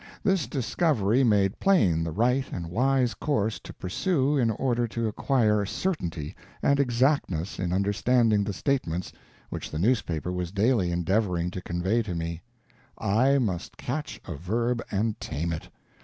This discovery made plain the right and wise course to pursue in order to acquire certainty and exactness in understanding the statements which the newspaper was daily endeavoring to convey to me: I must catch a Verb and tame it.